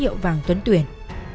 hiệu vàng tuấn tuyển